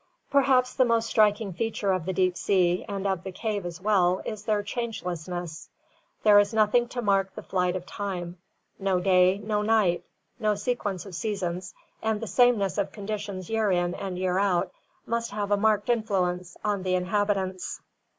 Perhaps the most striking feature of the deep sea and of the cave as well is their changelessness. There is nothing to mark the flight of time — no day or night, no sequence of seasons, and the sameness of conditions year in and year out must have a marked influence on the inhabitants.